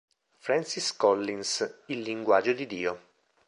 Francis Collins, "Il linguaggio di Dio.